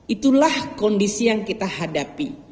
itulah kondisi yang kita hadapi